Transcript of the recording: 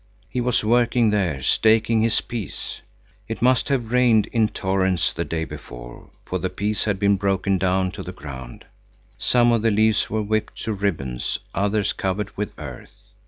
He was working there, staking his peas. It must have rained in torrents the day before, for the peas had been broken down to the ground; some of the leaves were whipped to ribbons, others covered with earth.